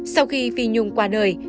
sau khi phi nhung qua đời